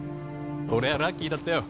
俺はラッキーだったよ